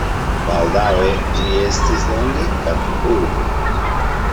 Baldaŭe ĝi estis longe kampurbo.